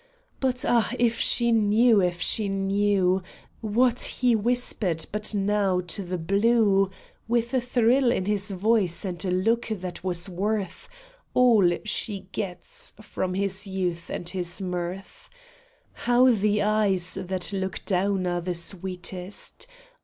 But ah, if she knew, if she knew What he whispered but now to the blue, With a thrill in his voice and a look that was worth All she gets from his youth and his mirth ; How the eyes that look down are the sweetest.